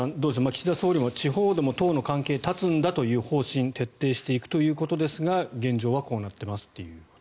岸田総理も地方でも党との関係を断つんだという方針を徹底していくということですが現状はこうなっていますと。